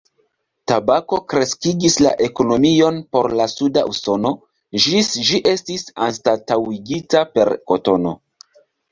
Tabako kreskigis la ekonomion por la suda Usono ĝis ĝi estis anstataŭigita per kotono.